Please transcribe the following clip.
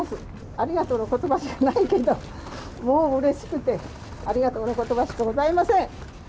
ありがとうのことばしかないけど、もううれしくて、ありがとうのことばしかございません。